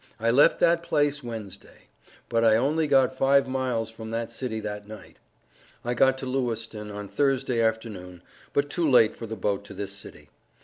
I left that place Wensday, but I only got five miles from that city that night. I got to Lewiston on Thurday afternoon, but too late for the boat to this city.